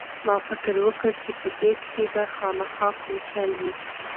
ما فکر وکړ چې په دې کښې به خامخا کوم چل وي.